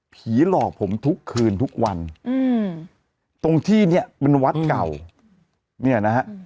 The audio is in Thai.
ผีหลอกผมทุกคืนทุกวันอืมตรงที่เนี่ยเป็นวัดเก่าเนี่ยนะฮะ